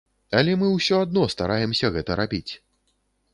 Але мы ўсё адно стараемся гэта рабіць.